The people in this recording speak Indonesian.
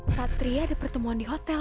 satria ada pertemuan di hotel